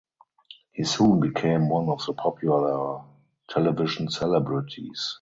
He soon became one of the popular television celebrities.